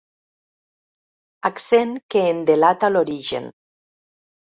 Accent que en delata l'origen.